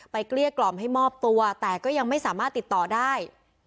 เกลี้ยกล่อมให้มอบตัวแต่ก็ยังไม่สามารถติดต่อได้